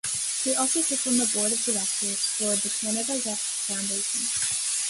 She also sits on the Board of Directors for the Canada West Foundation.